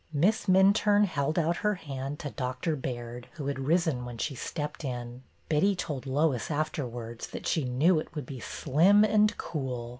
Miss Minturne held out her hand to Dr. Baird, who had risen when she stepped in. Betty told Lois afterwards that she knew it would be slim and cool."